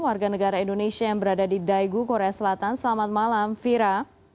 warga negara indonesia yang berada di daegu korea selatan selamat malam vira